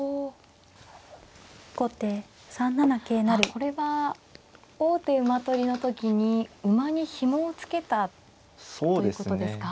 これは王手馬取りの時に馬にひもを付けたということですか。